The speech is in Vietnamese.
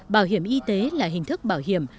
bảo hiểm y tế là hình thức bảo hiểm